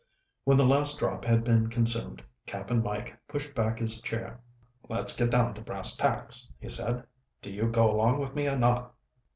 When the last drop had been consumed, Cap'n Mike pushed back his chair. "Let's get down to brass tacks," he said. "Do you go along with me or not?"